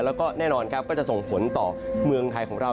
แล้วก็แน่นอนครับก็จะส่งผลต่อเมืองไทยของเรา